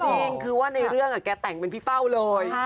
จริงคือว่าในเรื่องแกแต่งเป็นพี่เป้าเลย